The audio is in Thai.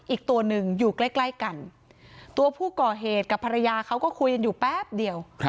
อีกตัวหนึ่งอยู่ใกล้กันตัวผู้ก่อเหตุกับภรรยาเขาก็คุยกันอยู่แป๊บเดียว